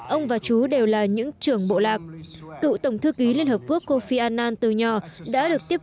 ông và chú đều là những trưởng bộ lạc cựu tổng thư ký liên hợp quốc kofi anan từ nhỏ đã được tiếp